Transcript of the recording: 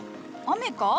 雨か？